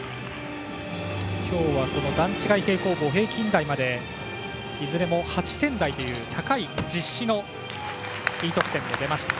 きょうは、段違い平行棒平均台までいずれも８点台という高い実施のＥ得点が出ました。